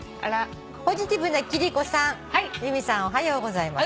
ポジティブな貴理子さん由美さんおはようございます」